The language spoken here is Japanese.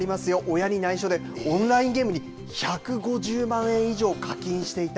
親に内緒で、オンラインゲームに１５０万円以上課金していた。